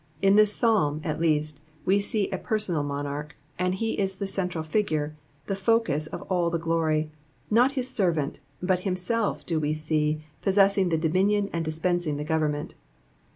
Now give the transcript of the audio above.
In this Psulm, at least, we see a personal monarch, and he is the central figure, the focus of all the glory ; not his servant, but himself do we see possessing the dominion and dispensing the government.